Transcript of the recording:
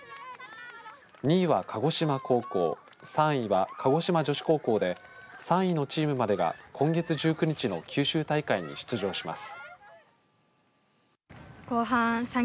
２位は鹿児島高校３位は鹿児島女子高校で３位のチームまでが今月１９日の九州大会に出場します。